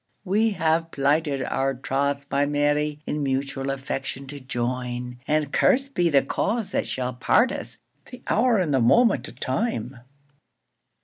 We hae plighted our troth, my Mary, In mutual affection to join; And curst be the cause that shall part us! The hour and the moment o' time!